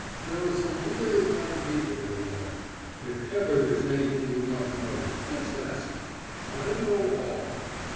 There are some really fine people living there.... If ever there's anything you want to know, just ask me; I know all."